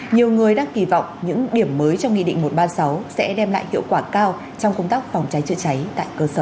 nhiều người đang kỳ vọng những điểm mới trong nghị định một trăm ba mươi sáu sẽ đem lại hiệu quả cao trong công tác phòng cháy chữa cháy tại cơ sở